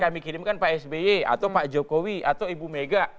kami kirimkan pak sby atau pak jokowi atau ibu mega